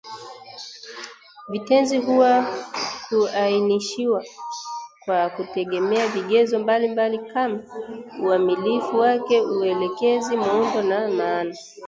Vitenzi huweza kuainishwa kwa kutegemea vigezo mbalimbali kama uamilifu wake, uelekezi, muundo na maana